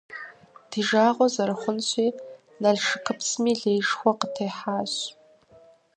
Ди жагъуэ зэрыхъунщи, Налшыкыпсми леишхуэ къытехьащ.